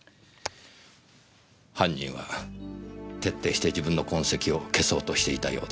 犯人は徹底して自分の痕跡を消そうとしていたようです。